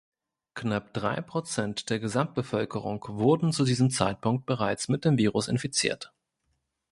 Knapp drei Prozent der Gesamtbevölkerung wurden zu diesem Zeitpunkt bereits mit dem Virus infiziert.